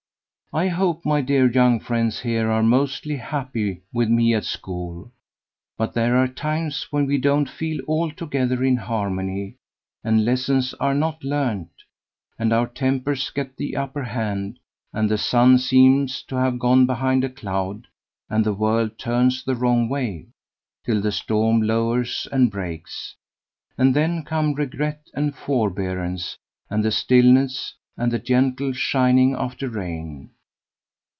"I hope, my dear young friends here are mostly happy with me at school, but there are times when we don't feel altogether in harmony, and lessons are not learned, and our tempers get the upper hand, and the sun seems to have gone behind a cloud and the world turns the wrong way, till the storm lowers and breaks, and then come regret and forbearance, and the stillness, and 'the gentle shining after rain.'